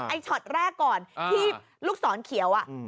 ช็อตแรกก่อนที่ลูกศรเขียวอ่ะ